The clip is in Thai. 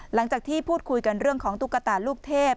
หลังจากที่พูดคุยกันเรื่องของตุ๊กตาลูกเทพ